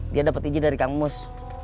dia dapat izin dari kang mus